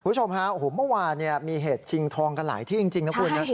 คุณผู้ชมฮะโอ้โหเมื่อวานมีเหตุชิงทองกันหลายที่จริงนะคุณนะ